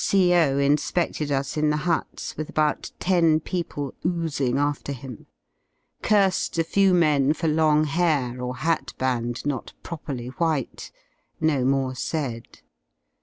The CO. inspeded us in the huts with about ten people oozing after him. Cursed a few men for long hair or hat band not properly white; no more said.